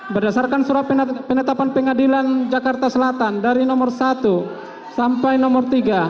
berdasarkan surat penetapan pengadilan jakarta selatan dari nomor satu sampai nomor tiga